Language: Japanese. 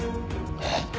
えっ？